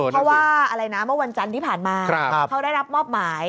เพราะว่าอะไรนะเมื่อวันจันทร์ที่ผ่านมาเขาได้รับมอบหมาย